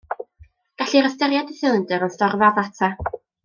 Gellir ystyried y silindr yn storfa ddata.